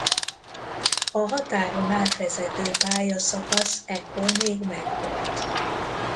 A határon átvezető pályaszakasz ekkor még megvolt.